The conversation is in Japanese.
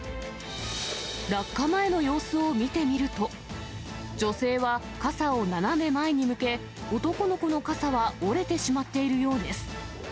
落下前の様子を見てみると、女性は傘を斜め前に向け、男の子の傘は折れてしまっているようです。